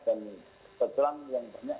dan kegelam yang banyak